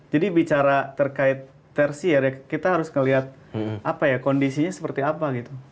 jadi bicara terkait tertiar ya kita harus ngeliat apa ya kondisinya seperti apa gitu